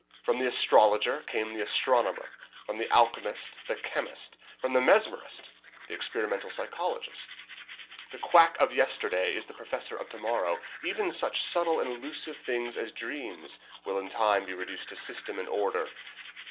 From the astrologer came the astronomer, from the alchemist the chemist, from the mesmerist the experimental psychologist. The quack of yesterday is the professor of tomorrow. Even such subtle and elusive things as dreams will in time be reduced to system and order.